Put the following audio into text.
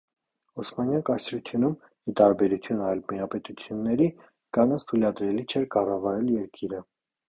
Օսմանյան կայսրությունում, ի տարբերություն այլ միապետությունների, կանանց թույլատրելի չէր կառավարել երկիրը։